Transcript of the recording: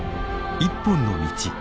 「一本の道」。